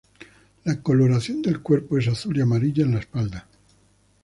La coloración del cuerpo es azul y amarilla en la espalda.